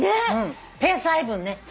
ペース配分ね。